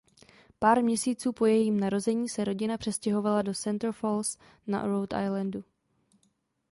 Pár měsíců po jejím narození se rodina přestěhovala do Central Falls na Rhode Islandu.